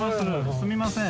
すみません。